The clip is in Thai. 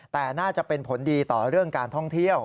แต่น่าจะเป็นผลดีต่อเรื่องการท่องเที่ยว